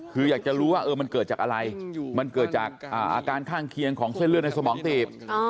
คืออยากจะรู้ว่ามันเกิดจากอะไรมันเกิดจากอาการข้างเคียงของเส้นเลือดในสมองตีบ